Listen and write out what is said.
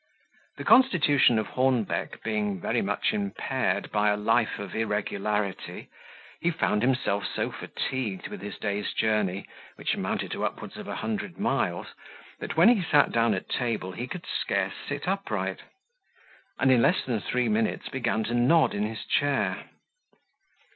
The constitution of Hornbeck being very much impaired by a life of irregularity, he found himself so fatigued with his day's journey, which amounted to upwards of a hundred miles, that when he sat down at table, he could scarce sit upright; and in less than three minutes began to nod in his chair.